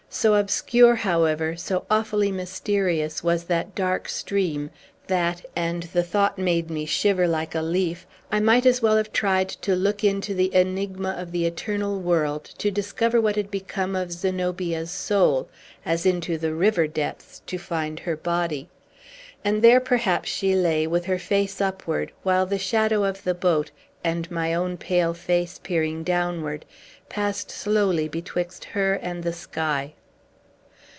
So obscure, however, so awfully mysterious, was that dark stream, that and the thought made me shiver like a leaf I might as well have tried to look into the enigma of the eternal world, to discover what had become of Zenobia's soul, as into the river's depths, to find her body. And there, perhaps, she lay, with her face upward, while the shadow of the boat, and my own pale face peering downward, passed slowly betwixt her and the sky!